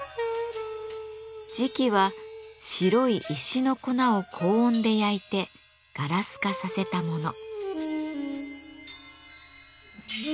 磁器は白い石の粉を高温で焼いてガラス化させたもの。